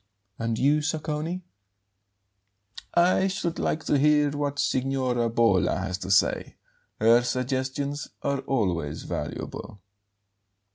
"And you, Sacconi?" "I should like to hear what Signora Bolla has to say. Her suggestions are always valuable."